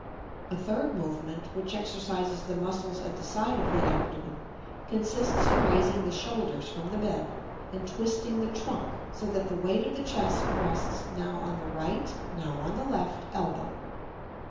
A third movement which exercises the muscles at the side of the abdomen consists in raising the shoulders from the bed and twisting the trunk so that the weight of the chest rests now on the right, now on the left elbow.